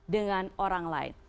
dengan orang lain